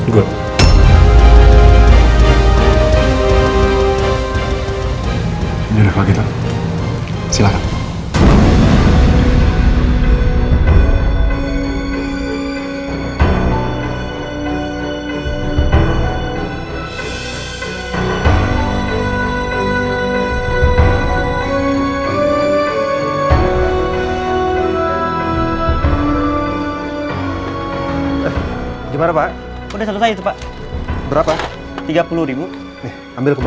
tidak ada yang bisa dihukum